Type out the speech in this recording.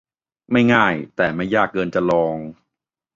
ไม่ง่าย แต่ไม่ยากเกินจะลอง !